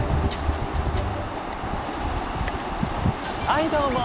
はいどうも。